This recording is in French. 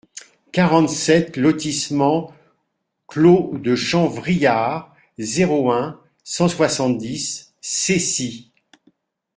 quarante-sept lotissement Clos de Champ-Vrillard, zéro un, cent soixante-dix Cessy